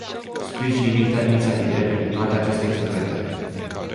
Sprijinim inițiativele prin toate aceste instrumente.